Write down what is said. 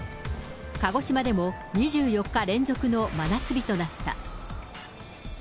鹿児島でも２４日連続の真夏日となった。